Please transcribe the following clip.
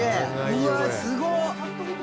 うわあ、すごっ！